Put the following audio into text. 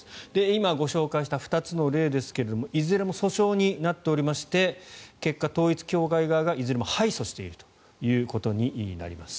今紹介した２つの例ですがいずれも訴訟になっておりまして結果、統一教会側が敗訴しているということになります。